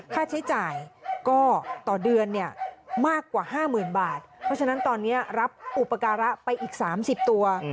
ค่าใช้จ่ายก็ต่อเดือนเนี่ยมากกว่า๕๐๐๐บาทเพราะฉะนั้นตอนนี้รับอุปการะไปอีก๓๐ตัว